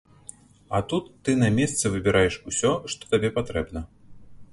А тут ты на месцы выбіраеш усё, што табе патрэбна.